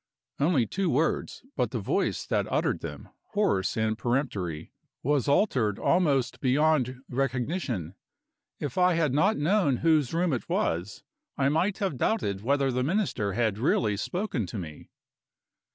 Only two words but the voice that uttered them, hoarse and peremptory, was altered almost beyond recognition. If I had not known whose room it was, I might have doubted whether the Minister had really spoken to me.